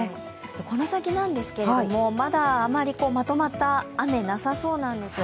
この先なんですけど、まだまとまった雨、なさそうなんですよ。